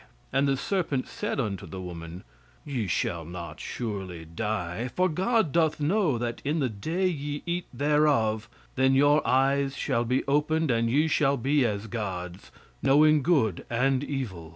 And the serpent said unto the woman, Ye shall not surely die. For God doth know that in the day ye eat thereof, then your eyes shall be opened and ye shall be as gods, knowing good and evil.